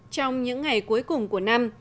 trong những ngày cuối cùng của năm